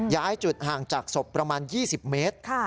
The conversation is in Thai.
จุดห่างจากศพประมาณ๒๐เมตร